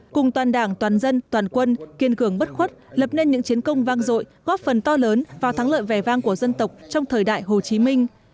cùng toàn đảng toàn dân toàn quân kiên cường bất khuất lập nên những chiến công vang dội góp phần to lớn vào thắng lợi vẻ vang của dân tộc trong thời đại hồ chí minh